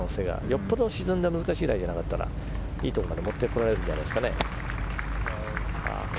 よっぽど沈んだところじゃなければいいところまで持ってこられるんじゃないですかね。